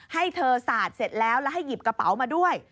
ให้เธอสาดเสร็จแล้วแล้วให้หยิบกระเป๋ามาด้วย